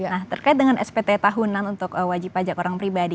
nah terkait dengan spt tahunan untuk wajib pajak orang pribadi